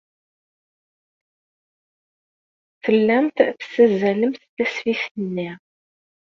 Tellamt tessazzalemt tasfift-nni.